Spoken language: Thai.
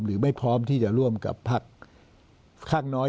หรือไม่พร้อมที่จะร่วมกับพักข้างน้อย